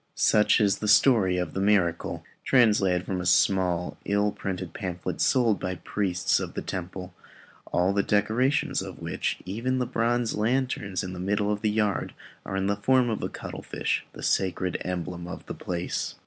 Such is the story of the miracle, translated from a small ill printed pamphlet sold by the priests of the temple, all the decorations of which, even to a bronze lantern in the middle of the yard, are in the form of a cuttlefish, the sacred emblem of the place.